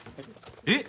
えっ！？